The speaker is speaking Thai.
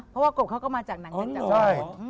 เพราะกบเขาก็มาจากหนังเก็บจักร